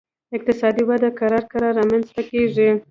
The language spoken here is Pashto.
اقتصادي وده کرار کرار رامنځته کیږي